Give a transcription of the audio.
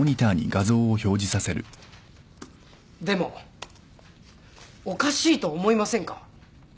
でもおかしいと思いませんか？